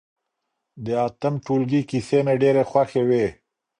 د اتم ټولګي کیسې مي ډېرې خوښې وې.